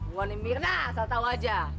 gue ini mirna salah tau aja